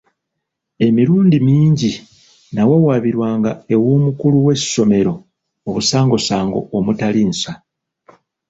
Emirundi mingi nnawawaabirwanga ew'omukulu w'essomero obusangosango omutali nsa.